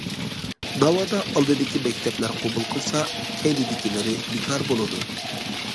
ناۋادا ئالدىدىكى مەكتەپلەر قوبۇل قىلسا، كەينىدىكىلىرى بىكار بولىدۇ.